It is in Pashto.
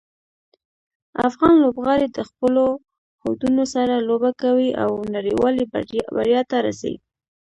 افغان لوبغاړي د خپلو هوډونو سره لوبه کوي او نړیوالې بریا ته رسي.